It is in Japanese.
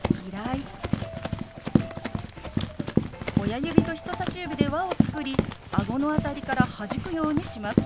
親指と人さし指で輪を作りあごの辺りからはじくようにします。